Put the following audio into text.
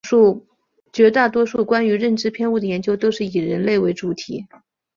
绝大多数关于认知偏误的研究都是以人类为主体。